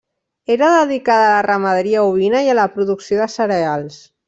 Era dedicada a la ramaderia ovina i a la producció de cereals.